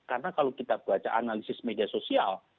karena kalau kita baca analisis media sosial